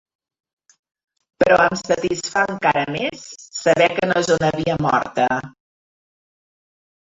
Però em satisfà encara més saber que no és una via morta.